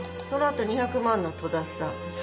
その後２００万の戸田さん。